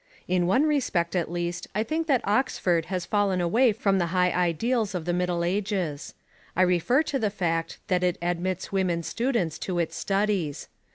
In one respect at least I think that Oxford has fallen away from the high ideals of the Middle Ages. I refer to the fact that it admits women students to its studies.